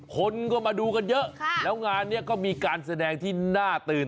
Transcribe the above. คนก็มาดูกันเยอะแล้วงานนี้ก็มีการแสดงที่น่าตื่น